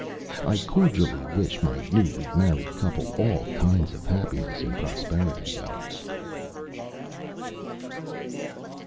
I cordially wish my newly married couple all kinds of happiness and prosperity, though.